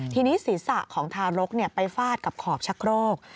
ทีนี้ศีรษะของทารกไปฟาดกับขอบชะโครก